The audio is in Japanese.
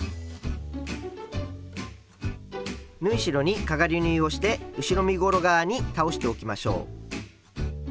縫い代にかがり縫いをして後ろ身ごろ側に倒しておきましょう。